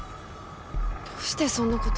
どうしてそんな事。